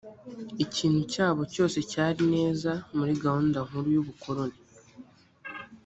ikintu cyabo cyose cyari neza muri gahunda nkuru y ubukoroni